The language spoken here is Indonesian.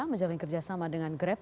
menjalin kerjasama dengan grep